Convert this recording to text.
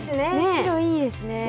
白いいですね。